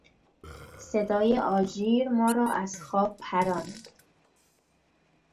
صدای آژیر ما را از خواب پراند.